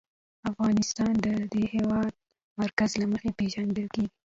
افغانستان د د هېواد مرکز له مخې پېژندل کېږي.